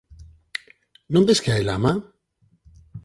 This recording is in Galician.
Non ves que hai lama?